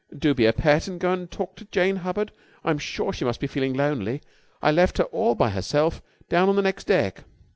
"Do be a pet and go and talk to Jane Hubbard. I'm sure she must be feeling lonely. I left her all by herself down on the next deck."